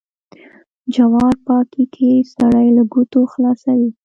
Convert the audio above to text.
جوار پاکي کې سړی له گوتو خلاصوي.